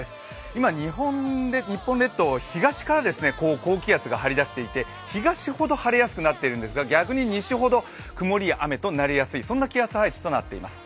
今、日本列島、東から高気圧が張り出していて東ほど晴れやすくなっているんですが逆に西ほど曇りや雨になりやすい、そんな気圧配置となっています。